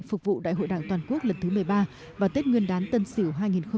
phục vụ đại hội đảng toàn quốc lần thứ một mươi ba và tết nguyên đán tân sỉu hai nghìn hai mươi một